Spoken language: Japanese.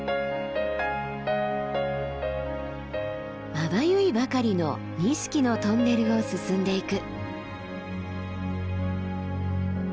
まばゆいばかりの錦のトンネルを進んでいく。